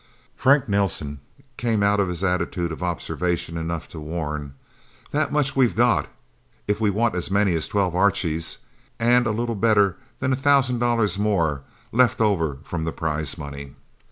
Frank Nelsen came out of his attitude of observation enough to warn, "That much we've got, if we want as many as twelve Archies. And a little better than a thousand dollars more, left over from the prize money."